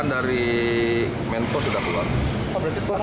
kan dari mentor sudah keluar